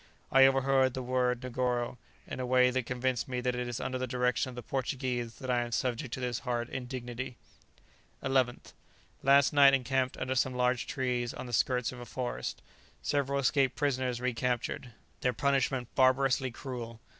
I overheard the word Negoro, in a way that convinced me that it is under the direction of the Portuguese that I am subject to this hard indignity. [Illustration: [no caption, or it is cut off]] 11th. Last night encamped under some large trees on the skirts of a forest. Several escaped prisoners recaptured; their punishment barbarously cruel.